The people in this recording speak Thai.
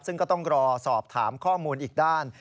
ซึ่งก็ต้องรอสอบถามข้อมูลอีกด้าน